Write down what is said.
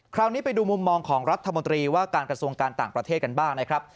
คราวนี้ไปดูมุมมองของรัฐมนตรีว่าการกระทรวงการต่างประเทศกันบ้างนะครับ